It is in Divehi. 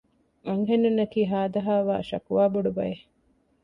އަންހެނުންނަކީ ހާދަހާވާ ޝަކުވާ ބޮޑު ބައެއް